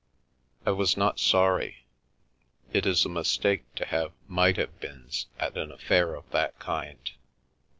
I was not sorry — it is a mistake to have might have beens at an affair of that kind.